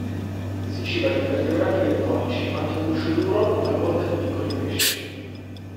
Si ciba di invertebrati bentonici, anche a guscio duro, e talvolta di piccoli pesci.